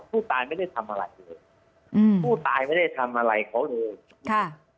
ผู้ตายไม่ได้ทำอะไรเลยอืมผู้ตายไม่ได้ทำอะไรเขาเลยค่ะ